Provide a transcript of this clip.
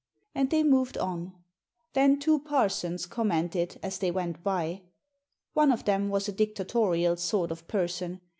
And they moved on. Then two parsons com mented, as they went by. One of them was a dictatorial sort of person.